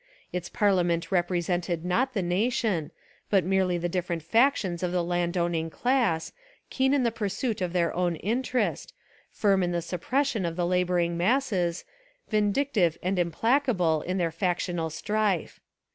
Its parlia ment represented not the nation, but merely the different factions of the land owning class, keen in the pursuit of their own interest, firm in the suppression of the labouring masses, vin dictive and implacable in their factional strife.